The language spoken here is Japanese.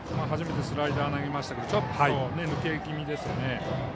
初めてスライダーを投げましたがちょっと抜け気味ですね。